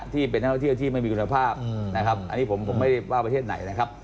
ที่เป็นนักท่องเที่ยวที่ไม่มีคุณภาพนะครับอันนี้ผมไม่ได้ว่าประเทศไหนนะครับ